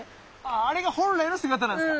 あれが本来の姿なんですか！